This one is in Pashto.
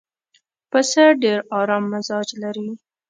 پسه ډېر ارام مزاج لري.